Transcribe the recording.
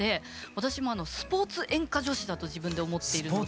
私もスポーツ演歌女子だと自分で思っているので。